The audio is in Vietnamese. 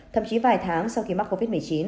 thậm chí vài tháng sau khi mắc covid một mươi chín